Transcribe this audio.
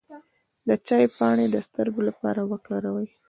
د چای پاڼې د سترګو لپاره وکاروئ